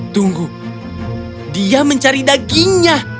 tunggu dia mencari dagingnya